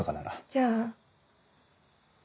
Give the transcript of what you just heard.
じゃあ。